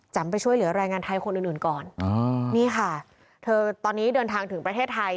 ไปช่วยเหลือแรงงานไทยคนอื่นก่อนนี่ค่ะเธอตอนนี้เดินทางถึงประเทศไทย